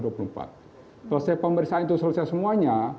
selesai pemeriksaan itu selesai semuanya